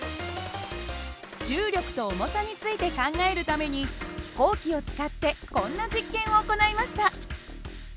重力と重さについて考えるために飛行機を使ってこんな実験を行いました。